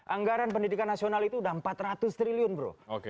anggaran pendidikan nasional itu sudah empat ratus triliun bro